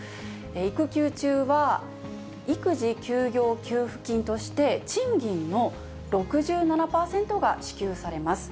育休中は、育児休業給付金として賃金の６７％が支給されます。